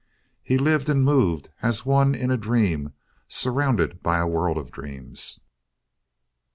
He lived and moved as one in a dream surrounded by a world of dreams.